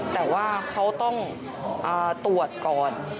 แต่ว่าเขาต้องตรวจก่อน